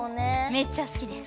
めっちゃすきです。